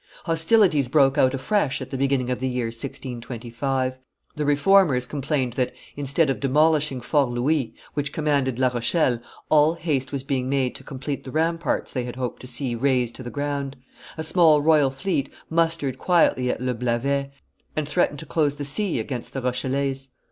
Hostilities broke out afresh at the beginning of the year 1625. The Reformers complained that, instead of demolishing Fort Louis, which commanded La Rochelle, all haste was being made to complete the ramparts they had hoped to see razed to the ground: a small royal fleet mustered quietly at Le Blavet, and threatened to close the sea against the Rochellese.